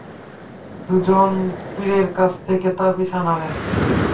দু জন পীরের কাছ থেকে তাবিজ আনালেন।